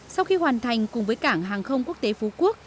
sau khi hoàn thành cùng với cảng hàng không quốc tế phú quốc